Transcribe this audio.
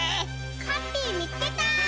ハッピーみつけた！